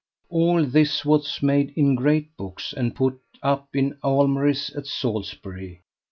All this was made in great books, and put up in almeries at Salisbury.